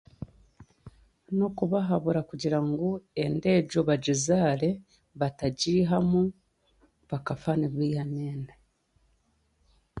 N'okubahabura kugira ngu enda egyo bagizaare batagiihamu bakafa nibaihamu enda